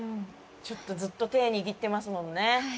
ちょっとずっと手握ってますもんね。